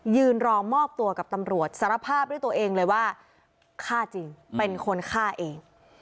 ยืนรอมอบตัวกับตำรวจสารภาพด้วยตัวเองเลยว่าฆ่าจริงเป็นคนฆ่าเอง